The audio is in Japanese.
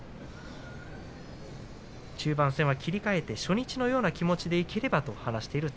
中盤戦は切り替えて初日のような気持ちでいければと話しています